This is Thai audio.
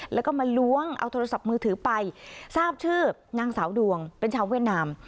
แล้วก็มาล้วงเอาโทรศัพท์มือถือไปทราบชื่อนางสาวดวงเป็นชาวเวียดนาม